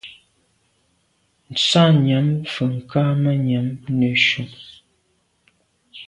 Nsa yàm mfe kamànyam neshu.